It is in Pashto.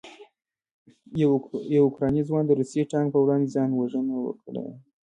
یو اوکراني ځوان د روسي ټانک په وړاندې ځان وژنه وکړه.